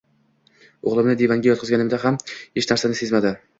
O`g`limni divanga yotqizganimizda ham hech narsani sezmadi